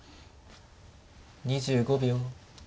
２５秒。